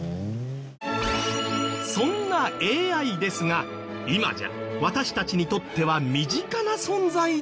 そんなＡＩですが今じゃ私たちにとっては身近な存在でもある。